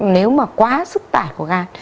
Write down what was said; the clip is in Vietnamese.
nếu mà quá sức tải của gan